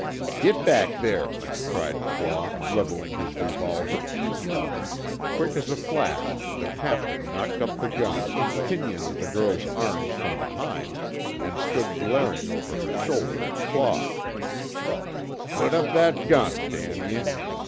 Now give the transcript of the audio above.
"Git back there!" cried Claw, leveling his revolver. Quick as a flash, the Captain knocked up the gun, pinioned the girl's arms from behind, and stood glaring over her shoulder at Claw: "Put up that gun, damn ye!